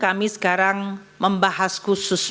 yang mulia ketua dan majelis hakim mahkamah konstitusi